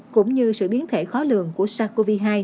cũng như sự biến thể khó lường của sars cov hai